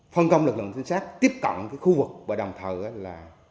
phân công lực lượng chính sát tiếp cận khu vực và đồng thờ là